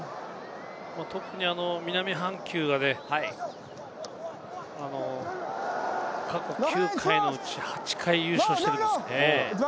特に南半球が、過去９回のうち８回優勝しているんですよね。